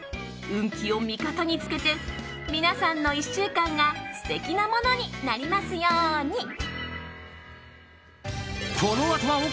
運気を味方につけて皆さんの１週間が素敵なものになりますように。